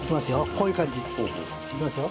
こういう感じ。いきますよ。